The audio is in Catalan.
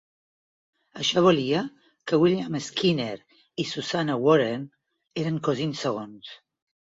Això volia que William Skinner i Susannah Warren eren cosins segons.